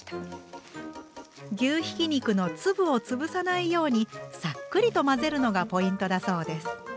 牛ひき肉の粒を潰さないようにさっくりと混ぜるのがポイントだそうです。